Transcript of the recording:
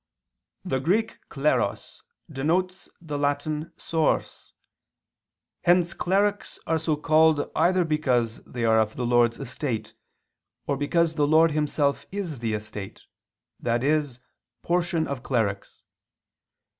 "The Greek kleros denotes the Latin sors. Hence clerics are so called either because they are of the Lord's estate, or because the Lord Himself is the estate, i.e. portion of clerics.